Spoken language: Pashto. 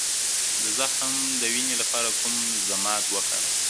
د زخم د وینې لپاره کوم ضماد وکاروم؟